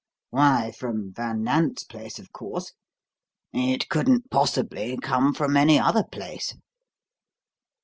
"Why, from Van Nant's place, of course. It couldn't possibly come from any other place."